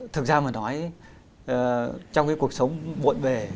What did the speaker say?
thực ra mà nói trong cái cuộc sống buộn về